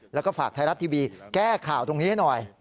แล้วก็ฝากไทยรัฐทีวีแก้ข่าวตรงนี้ให้หน่อย